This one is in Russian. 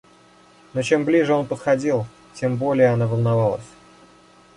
Но чем ближе он подходил, тем более она волновалась.